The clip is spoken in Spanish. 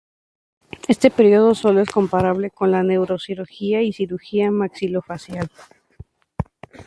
Este periodo sólo es comparable con la neurocirugía y cirugía maxilofacial.